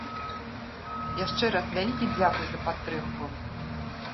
Яшчэ раз вялікі дзякуй за падтрымку!